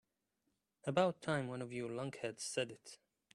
About time one of you lunkheads said it.